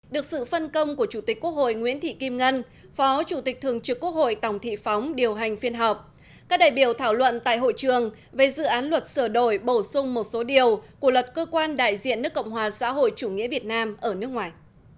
được sự phân công của chủ tịch quốc hội nguyễn thị kim ngân phó chủ tịch thường trực quốc hội tổng thị phóng điều hành phiên họp các đại biểu thảo luận tại hội trường về dự án luật sửa đổi bổ sung một số điều của luật cơ quan đại diện nước cộng hòa xã hội chủ nghĩa việt nam ở nước ngoài